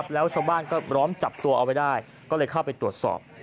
แล้วชาวบ้านก็ล้อมจับตัวเอาไว้ได้ก็เลยเข้าไปตรวจสอบ